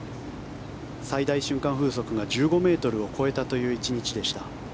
最大瞬間風速が１５ｍを超えたという１日でした。